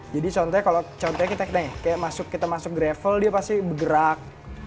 jadi contohnya kalau kita masuk gravel dia pasti bergerak